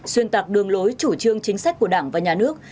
xuyên tạc đường lối chủ trương chính sách của đảng và nhà nước